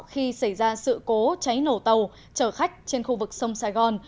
khi xảy ra sự cố cháy nổ tàu chở khách trên khu vực sông sài gòn